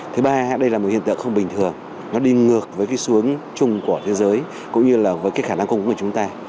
thứ ba đây là một hiện tượng không bình thường nó đi ngược với cái xuống chung của thế giới cũng như là với cái khả năng cung ứng của chúng ta